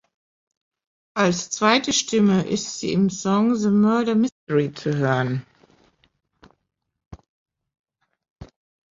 Als zweite Stimme ist sie im Song "The Murder Mystery" zu hören.